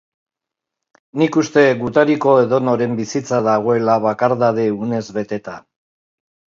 Nik uste gutariko edonoren bizitza dagoela bakardade unez beteta.